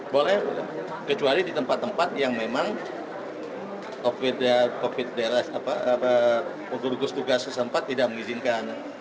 boleh kecuali di tempat tempat yang memang untuk gugus tugas setempat tidak mengizinkan